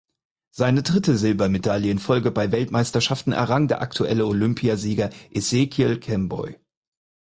Seine dritte Silbermedaille in Folge bei Weltmeisterschaften errang der aktuelle Olympiasieger Ezekiel Kemboi.